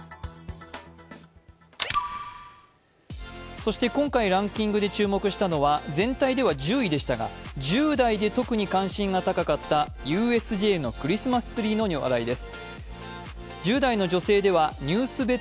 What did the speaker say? そして今回ランキングで注目したのは全体では１０位でしたが１０代で特に関心が高かったＵＳＪのクリスマスツリーの話題です。